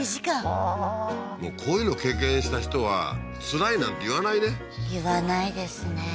はいこういうの経験した人はつらいなんて言わないね言わないですね